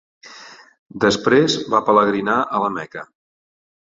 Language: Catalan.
Després va pelegrinar a la Meca.